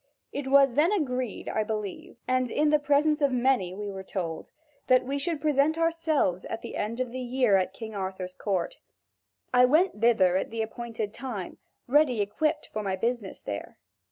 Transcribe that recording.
It was then agreed, I believe, and in the presence of many we were told, that we should present ourselves at the end of a year at Arthur's court. I went thither at the appointed time, ready equipped for my business there.